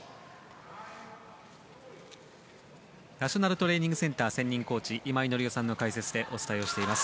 ナショナルトレーニングセンター専任コーチ今井紀夫さんの解説でお伝えしています。